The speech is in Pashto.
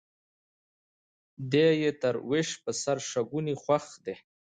دى يې تر ويش په سر شکوني خوښ دى.